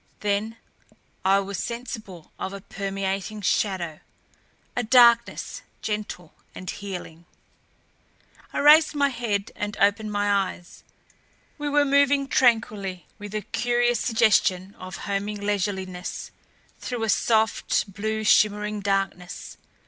Then I was sensible of a permeating shadow, a darkness gentle and healing. I raised my head and opened my eyes. We were moving tranquilly, with a curious suggestion of homing leisureliness, through a soft, blue shimmering darkness.